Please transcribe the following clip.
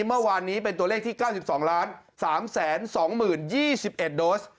เมื่อวานนี้เป็นตัวเลขที่๙๒๓๒๐๒๑โดส